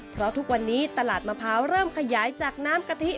เพราะทุกวันนี้ตลาดมะพร้าวเริ่มขยายจากน้ำกะทิ